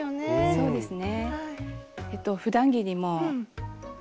そうですね。